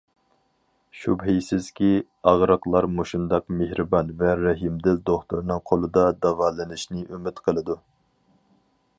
شۈبھىسىزكى، ئاغرىقلار مۇشۇنداق مېھرىبان ۋە رەھىمدىل دوختۇرنىڭ قولىدا داۋالىنىشنى ئۈمىد قىلىدۇ.